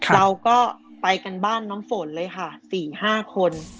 เราก็ไปกันบ้านน้ำฝนเลยค่ะ๔๕คน